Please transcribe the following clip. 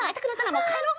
もう帰ろう。